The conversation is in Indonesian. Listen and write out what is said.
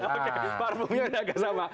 oke parfumnya agak sama